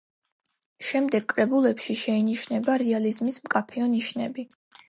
შემდეგ კრებულებში შეინიშნება რეალიზმის მკაფიო ნიშნები.